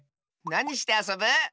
なにしてあそぶ？